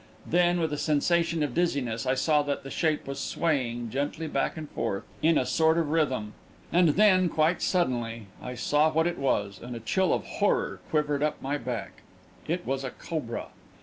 Then, with a sensation of dizziness, I saw that the shape was swaying gently back and forth, in a sort of rhythm. And then, quite suddenly, I saw what it was, and a chill of horror quivered up my back. It was a cobra.